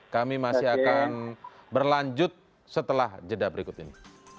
kami masih akan berlanjut setelah jeda berikut ini